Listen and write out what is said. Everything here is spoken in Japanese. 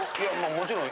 もちろん。